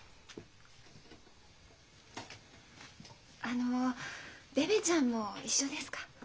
あのベベちゃんも一緒ですか？